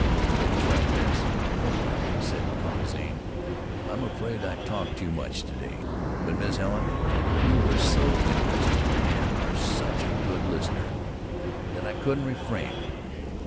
"Betty is right, Bess, don't frighten her," said Colonel Zane. "I'm afraid I talked too much to day. But, Miss Helen, you were so interested, and are such a good listener, that I couldn't refrain.